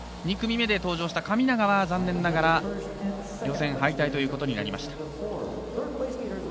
２組目で登場した神長は残念ながら予選敗退ということになりました。